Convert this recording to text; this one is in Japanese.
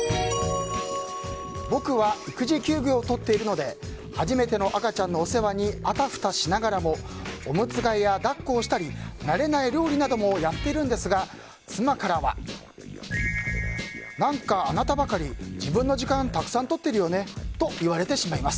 僕は育児休業を取っているので初めての赤ちゃんのお世話にあたふたしながらもおむつ替えや抱っこをしたり慣れない料理などもやっているんですが妻からは、何かあなたばかり自分の時間たくさんとってるよねと言われてしまいます。